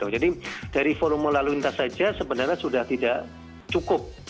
jadi dari volume lalu lintas saja sebenarnya sudah tidak cukup